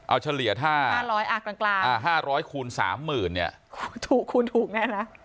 เอาเฉลี่ย๕๐๐อาจกลาง๕๐๐คูณ๓๐๐๐๐คูณถูกแน่นะ